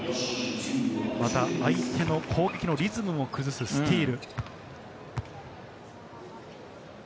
また、相手の攻撃のリズムを崩すスティール。